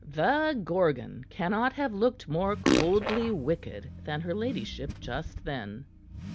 The Gorgon cannot have looked more coldly wicked than her ladyship just then.